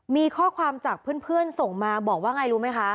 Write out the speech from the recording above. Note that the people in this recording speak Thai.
มีข้อความจากเพื่อนส่งมาบอกว่าไงรู้ไหมคะ